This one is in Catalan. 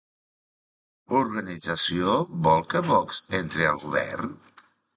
Organització vol que Vox entri al govern?